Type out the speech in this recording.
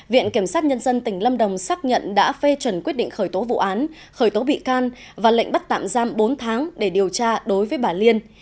viện kiểm sát nhân dân tỉnh lâm đồng xác nhận đã phê chuẩn quyết định khởi tố vụ án khởi tố bị can và lệnh bắt tạm giam bốn tháng để điều tra đối với bà liên